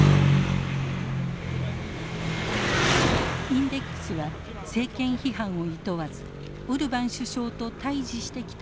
インデックスは政権批判をいとわずオルバン首相と対じしてきた報道機関の一つです。